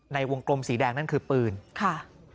ในวงกลมสีแดงนั่นคือปืนค่ะ